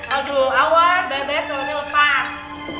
aduh awal bebes lalu lepas